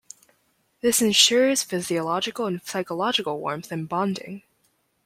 This ensures physiological and psychological warmth and bonding.